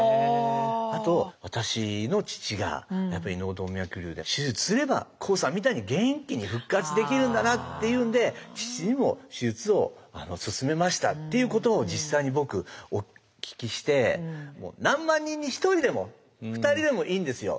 あと私の父がやっぱり脳動脈瘤で手術すればＫＯＯさんみたいに元気に復活できるんだなっていうんで父にも手術を勧めましたっていうことを実際に僕お聞きして何万人に１人でも２人でもいいんですよ。